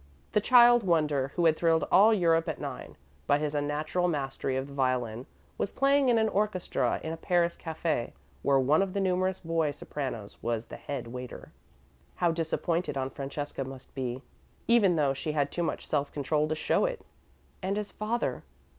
The Child Wonder who had thrilled all Europe at nine, by his unnatural mastery of the violin, was playing in an orchestra in a Paris cafe, where one of the numerous boy sopranos was the head waiter. How disappointed Aunt Francesca must be, even though she had too much self control to show it! And his father!